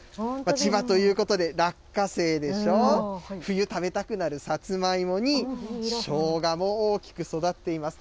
千葉ということで、落花生でしょ、冬食べたくなるサツマイモに、ショウガも大きく育っています。